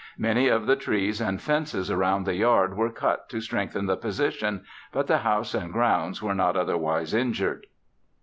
Many of the trees and fences around the yard were cut to strengthen the position, but the house and grounds were not otherwise injured.